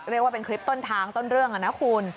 เรียกว่าเป็นคลิปต้นทางต้นเรื่องนะคุณ